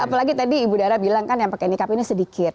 apalagi tadi ibu dara bilang kan yang pakai nikab ini sedikit